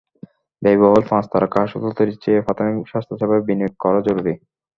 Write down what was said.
ব্যয়বহুল পাঁচ তারকা হাসপাতাল তৈরির চেয়ে প্রাথমিক স্বাস্থ্যসেবায় বিনিয়োগ করা জরুরি।